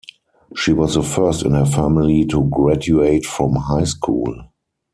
She was the first in her family to graduate from high school.